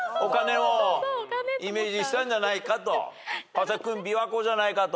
川君琵琶湖じゃないかと。